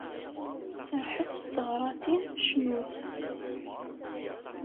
Serrḥet s teɣratin, cnut!